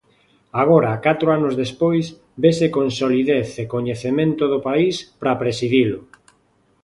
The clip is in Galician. Agora, catro anos despois, vese con solidez e coñecemento do país para presidilo.